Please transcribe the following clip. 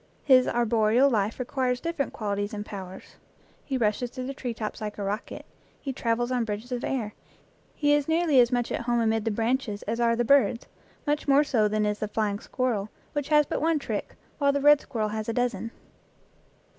His arboreal life requires different qual ities and powers; he rushes through the tree tops like a rocket ; he travels on bridges of air ; he is nearly as much at home amid the branches as are the birds, much more so than is the flying squirrel, which has but one trick, while the red squirrel has a dozen.